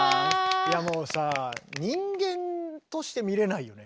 いやもうさ人間として見れないよね。